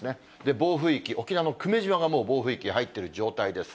暴風域、沖縄の久米島がもう暴風域入っている状態です。